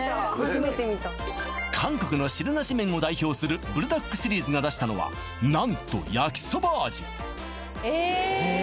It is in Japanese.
韓国の汁なし麺を代表するブルダックシリーズが出したのは何と焼きそば味え